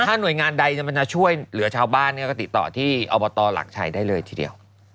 ถ้าหน่วยงานใดมันจะช่วยเหลือชาวบ้านเนี่ยก็ติดต่อที่อบตหลักชัยได้เลยทีเดียว